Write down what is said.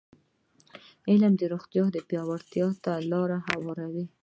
علم د روغتیا پیاوړتیا ته لاره هواروي.